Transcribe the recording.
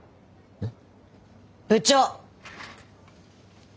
えっ？